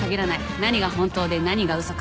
何が本当で何が嘘か。